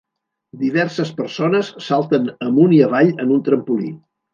Diverses persones salten amunt i avall en un trampolí.